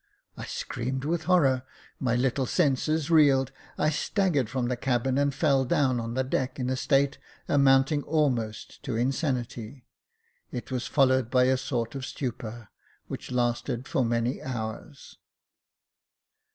I screamed with horror — my little senses reeled — I staggered from the cabin and fell down on the deck in a state amounting almost to insanity : it was followed by a sort of stupor, which lasted for many hours.